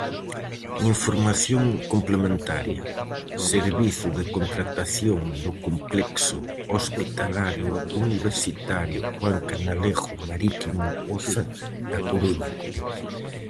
Información complementaria: Servizo de Contratación do Complexo Hospitalario Universitario Juan Canalejo-Marítimo Oza da Coruña.